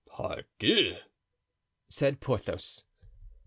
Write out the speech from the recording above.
"Pardieu!" said Porthos.